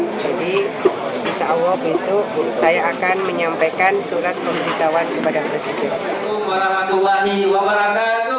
jadi insya allah besok saya akan menyampaikan surat pemberitahuan kepada presiden